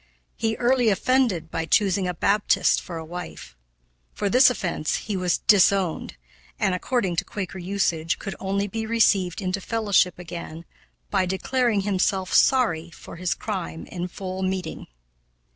He early offended by choosing a Baptist for a wife. For this first offense he was "disowned," and, according to Quaker usage, could only be received into fellowship again by declaring himself "sorry" for his crime in full meeting.